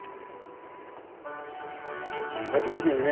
あちこちにね